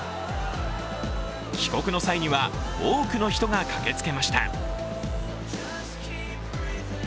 帰国の際には多くの人が駆けつけました。